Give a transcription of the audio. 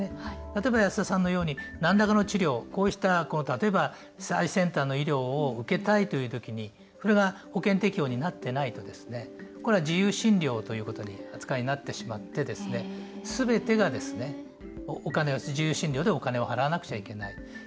例えば安田さんのように何らかの治療、例えば最先端の医療を受けたいという時にこれが保険適用になってないとこれは自由診療という扱いになってしまって、すべてが自由診療でお金を払わないといけない。